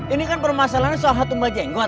ini kan permasalahannya soal hatung bajeng